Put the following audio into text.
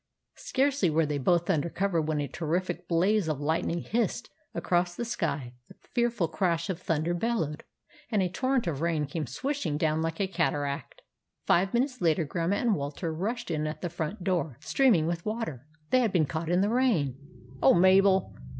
Scarcely were they both under cover when a terrific blaze of lightning hissed across the sky, a fearful crash of thunder bellowed, and a torrent of rain came swishing down like a cataract. Five minutes later, Grandma and Walter rushed in at the front door, streaming with water. They had been caught in the rain. "Oh, Mabel